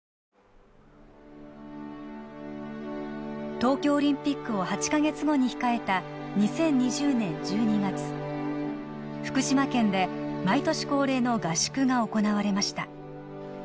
東京オリンピックを８か月後に控えた２０２０年１２月福島県で毎年恒例の合宿が行われました